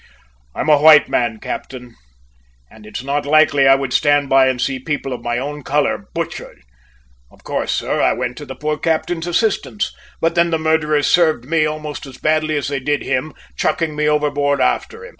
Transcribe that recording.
"I'm a white man, captain, and it's not likely I would stand by and see people of my own colour butchered! Of course, sir, I went to the poor captain's assistance, but then the murderers served me almost as badly as they did him, chucking me overboard after him."